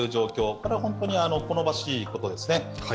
これは本当に好ましいことですね。